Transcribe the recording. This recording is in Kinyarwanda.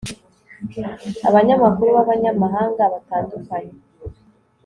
abanyamakuru b'abanyamahanga batandukanye